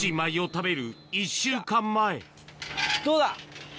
どうだ。